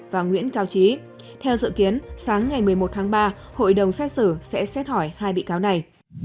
và nguyễn cao trí theo dự kiến sáng ngày một mươi một tháng ba hội đồng xét xử sẽ xét hỏi hai bị cáo này